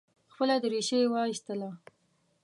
خپله درېشي یې وایستله.